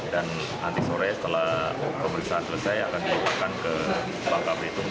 dan nanti sore setelah pemeriksaan selesai akan dilakukan ke pangkal belitung